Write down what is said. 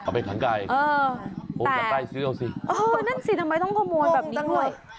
เอาไปขังไก่โหจะได้ซื้อเอาสิเออนั่นสิทำไมต้องขโมยแบบนี้ด้วย